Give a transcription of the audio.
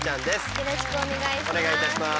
よろしくお願いします。